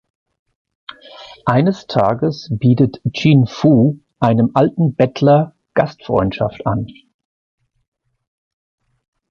Eines Tages bietet Chien Fu einem alten Bettler Gastfreundschaft an.